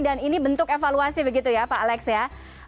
dan ini bentuk evaluasi begitu ya pak alex ya